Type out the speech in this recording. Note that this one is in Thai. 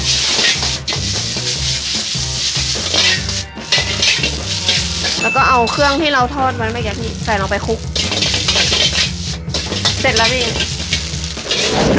แล้วก็เอาเครื่องที่เราทอดใส่ลงไปคลุก